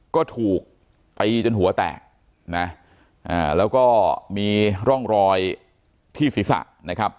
ก็ถูกตีจนหัวแตกนะแล้วก็มีร่องรอยที่ศีรษะนะครับ